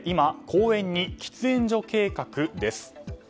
公園に喫煙所計画です。